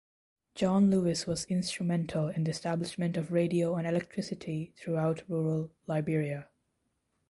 John Lewis was instrumental in the establishment of radio and electricity throughout rural Liberia.